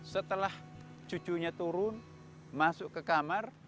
setelah cucunya turun masuk ke kamar